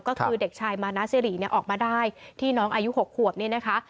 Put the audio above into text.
ก็คือเด็กชายมานาซิริเนี่ยออกมาได้ที่น้องอายุ๖ขวบเนี่ยนะคะ